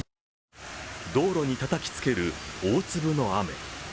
道路にたたきつける大粒の雨。